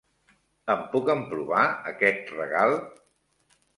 Em puc emprovar aquest regal?